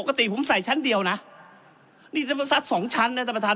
ปกติผมใส่ชั้นเดียวนะนี่น้ำซัดสองชั้นนะท่านประธาน